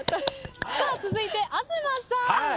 続いて東さん。